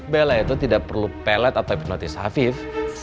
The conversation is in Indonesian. bella itu tidak perlu pelet atau hipnotis afif